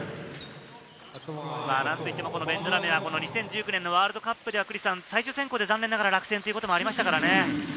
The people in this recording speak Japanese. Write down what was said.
ベンドラメは２０１６年のワールドカップでは最終選考で残念ながら落選ということもありましたよね。